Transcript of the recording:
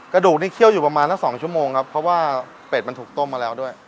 กระดูกนี้เคี่ยวอยู่ประมาณสัก๒ชั่วโมงครับเพราะว่าเป็ดมันถูกต้มมาแล้วด้วย